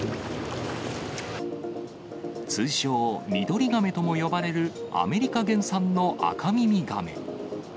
通称、ミドリガメとも呼ばれるアメリカ原産のアカミミガメ。